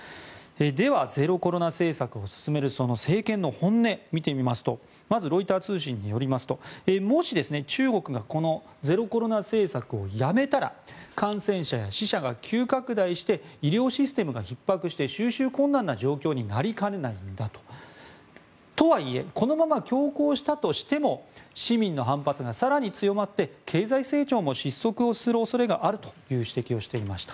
では、ゼロコロナ政策を進める政権の本音、見てみますとまず、ロイター通信によりますともし、中国がこのゼロコロナ政策をやめたら感染者や死者が急拡大して医療システムがひっ迫して収拾困難な状況になりかねないんだと。とはいえこのまま強行したとしても市民の反発が更に強まって経済成長も失速する恐れがあるという指摘をしていました。